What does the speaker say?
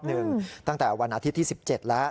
ละรอบนึงตั้งแต่วันอาทิตย์ที่๑๗แล้ว